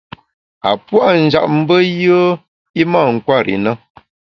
A puâ’ njap mbe yùe i mâ nkwer i na.